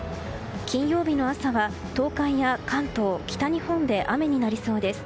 金曜日の朝は東海や関東北日本で雨になりそうです。